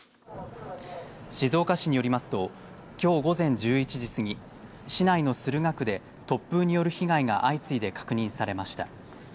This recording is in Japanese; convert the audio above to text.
静岡市によりますときょう午前１１時過ぎ市内の駿河区で突風による被害が相次いで確認されました。